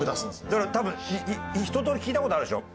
だから多分ひととおり聞いた事あるでしょ？